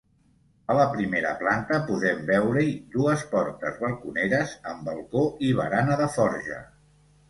A la primera planta podem veure-hi dues portes balconeres amb balcó i barana de forja.